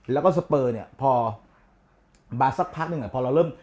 แล้วก็สเปอร์เนี่ยพอมาสักพักหนึ่งพอเราเริ่ม